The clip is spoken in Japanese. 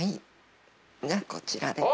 こちらで。